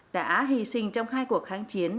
đã hy sinh trong hai cuộc kháng chiến